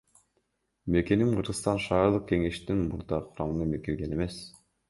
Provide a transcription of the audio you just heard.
Мекеним Кыргызстан шаардык кеңештин мурдагы курамына кирген эмес.